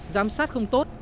giám sát không tốt